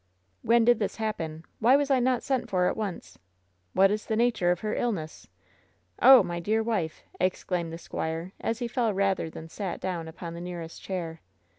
"When did this happen? Why was I not sent for at once? What is the nature of her illness? Oh, my dear wife!" exclaimed the squire, as he fell rather than sat down upon the nearest chair.